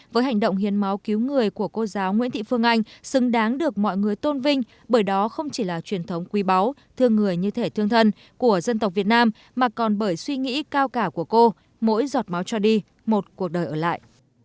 với hành động hiến máu cứu người của cô giáo nguyễn thị phương anh xứng đáng được mọi người tôn vinh bởi đó không chỉ là truyền thống quý báu thương người như thể thương thân của dân tộc việt nam mà còn bởi suy nghĩ cao cả của cô mỗi giọt máu cho đi một cuộc đời ở lại